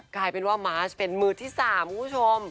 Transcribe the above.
กลายเป็นว่ามาสเป็นมือที่๓คุณผู้ชม